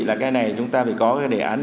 là cái này chúng ta phải có cái đề án